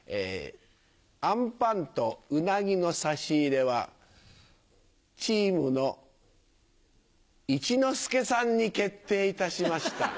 あんぱんとうなぎの差し入れはチームの一之輔さんに決定いたしました。